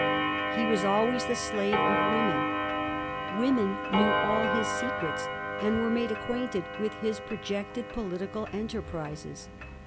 He was always the slave of women. Women knew all his secrets, and were made acquainted with his projected political enterprises.